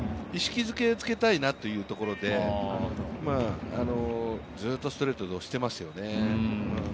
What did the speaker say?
意識づけつけたいなというところで、ずっとストレートで押してますよね。